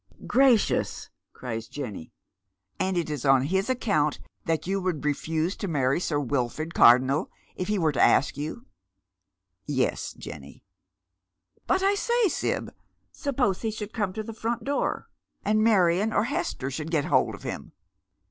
" Gracious !" cries Jenny. " And it is on his account that you Jfould refuse to marry Sir Wilford Cardonnel if he were to ask you ?"" Yes, Jenny." " But I say, Sib, suppose he should come to the front door, and Marion or Hester should get hold of him